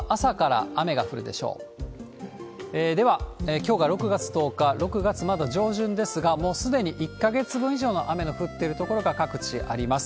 きょうが６月１０日、６月まだ上旬ですが、もうすでに１か月分以上の雨の降っている所が各地あります。